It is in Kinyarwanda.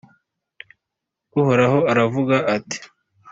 Uhoraho aravuga ati